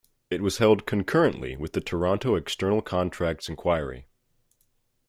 It was held concurrently with the Toronto External Contracts Inquiry.